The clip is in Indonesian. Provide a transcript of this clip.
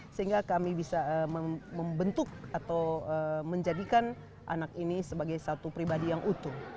sehingga kami bisa membentuk atau menjadikan anak ini sebagai satu pribadi yang utuh